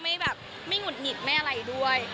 ไม่แบบไม่หุดหงิดไม่อะไรด้วย